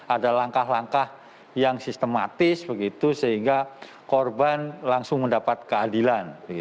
ada langkah langkah yang sistematis begitu sehingga korban langsung mendapat keadilan